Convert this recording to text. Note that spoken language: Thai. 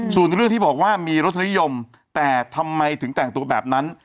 ส่วนเรื่องที่บอกว่ามีรสนิยมแต่ทำไมถึงแต่งตัวแบบนั้น